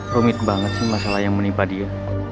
rumit banget sih masalah yang menimpa dia